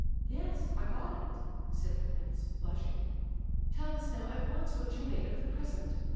"Yes, I got it," said the prince, blushing. "Tell us now, at once, what you made of the present?